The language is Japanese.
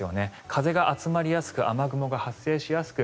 風が集まりやすく雨雲が発生しやすく